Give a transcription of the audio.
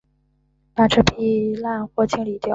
把这烂货清理掉！